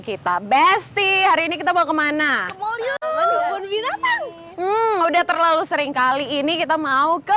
kita besti hari ini kita mau kemana mulyo walaupun binatang udah terlalu sering kali ini kita mau ke